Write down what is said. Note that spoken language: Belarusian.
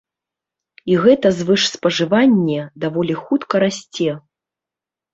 І гэта звышспажыванне даволі хутка расце.